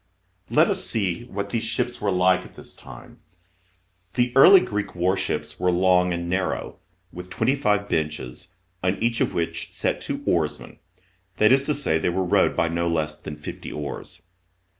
Let us see what these ships were like at this B.C. 480.1 GREEK SHIPS. 103 J \ time. The early Greek warships were long and narrow, with twenty five benches, on each of which sat two oarsmen, that is to say, they were rowed by no less than fifty oars.